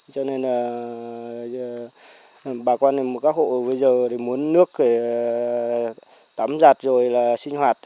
cho nên là bà quan các hộ bây giờ muốn nước để tắm giặt rồi là sinh hoạt